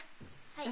はい。